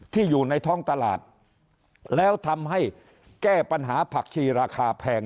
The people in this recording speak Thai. ที่อยู่ในท้องตลาดแล้วทำให้แก้ปัญหาผักชีราคาแพง